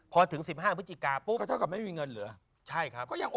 พอถึง๑๕พฤศจิกา